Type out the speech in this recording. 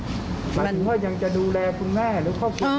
หมายถึงว่ายังจะดูแลคุณแม่หรือครอบครัว